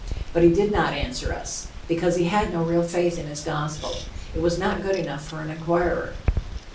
But he did not answer us, because he had no real faith in his gospel. It was not good enough for an inquirer.